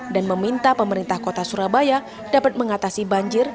dan meminta pemerintah kota surabaya dapat mengatasi banjir